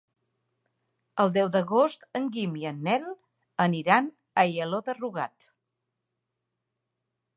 El deu d'agost en Guim i en Nel aniran a Aielo de Rugat.